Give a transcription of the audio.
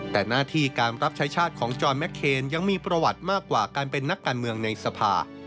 แต่หน้าที่การรับใช้ชาติของจอนแมคเคนยังมีประวัติมากกว่าการเป็นนักการเมืองในสภา